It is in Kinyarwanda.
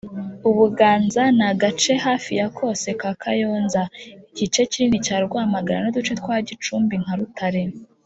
Ubuganza Ni agace hafi ya kose ka Kayonza, igice kinini cya Rwamagana n’uduce twa Gicumbi nka Rutare